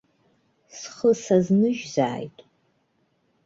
Схы сазныжьзааит.